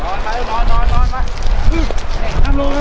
นั่งลงนั่งลง